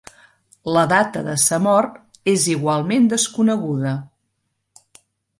La data de sa mort és igualment desconeguda.